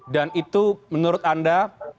dan itu menurut anda